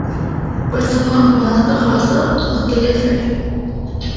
پر ساماں ہونڑا دا خاصا مختلف اے۔